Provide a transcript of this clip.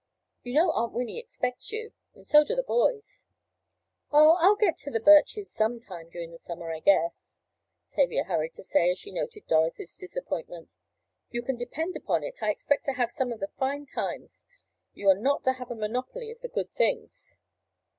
You know Aunt Winnie expects you. And so do the boys." "Oh, I'll get to the Birches some time during the summer I guess," Tavia hurried to say, as she noted Dorothy's disappointment. "You can depend upon it I expect to have some of the fine times—you are not to have a monopoly of the good things."